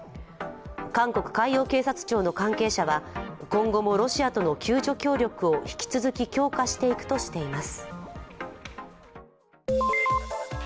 韓国海洋警察庁の関係者は今後もロシアとの救助協力を引き続き強化していくとしています。